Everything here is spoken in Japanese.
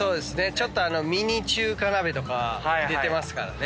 ちょっとミニ中華鍋とか出てますからね。